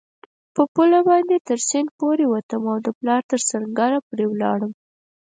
پر پله باندې تر سیند پورېوتم او د پلاوا تر سنګره پورې ولاړم.